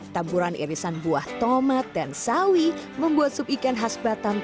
tampuran irisan buah tomat dan sawi membuat sup ikan khas batam